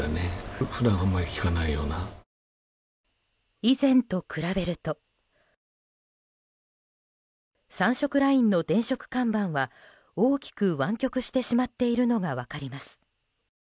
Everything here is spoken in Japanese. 以前と比べると３色ラインの電飾看板は大きく湾曲してしまっているのが分かります。